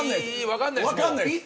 分かんないです。